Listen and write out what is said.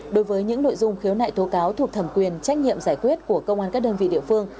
đối với những nội dung khiếu nại tố cáo thuộc thẩm quyền trách nhiệm giải quyết của công an các đơn vị địa phương